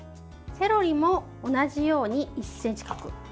セロリも同じように１ｃｍ角。